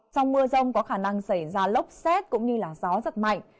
trong mưa rông có khả năng xảy ra lốc xét cũng như gió giật mạnh